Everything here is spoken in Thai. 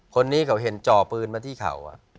คนนี้เขาเห็นจ่อปืนมาที่เขา